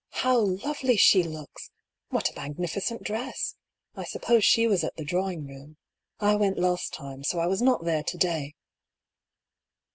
How lovely she looks I What a magnificent dress I I suppose she was at the drawing room. I went last time, so I was not there to day."